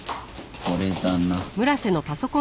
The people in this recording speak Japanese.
これだな。